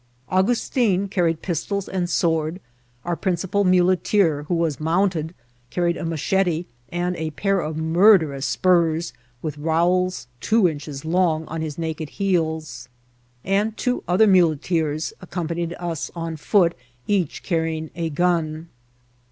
Augustin carried A &OAD NOT MACADAMIZED. 41 pistols and sword ; onr principal muleteer^ who was monnted, carried a machete and a pair of murderous i^urs, with rowels two inches long, on his naked heels ; and two other muleteers accompanied us on foot, each carrying a gun.